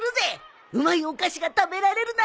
うまいお菓子が食べられるなら！